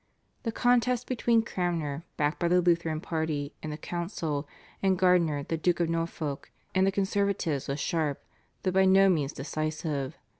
The contest between Cranmer, backed by the Lutheran party in the council, and Gardiner, the Duke of Norfolk, and the conservatives was sharp though by no means decisive.